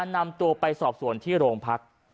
นำตัวไปสอบส่วนที่โรงพัก